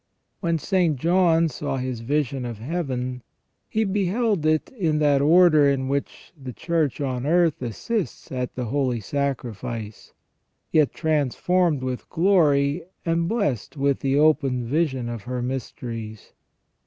When St. John saw his vision of Heaven he beheld it in that order in which the Church on earth assists at the Holy Sacrifice, yet transformed with glory and blessed with the open vision of her mysteries.